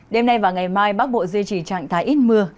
đêm nay và ngày mai bắc bộ duy trì trạng thái ít mưa